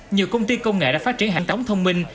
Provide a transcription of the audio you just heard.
nhiều công ty công nghệ đã phát triển hành tống thông minh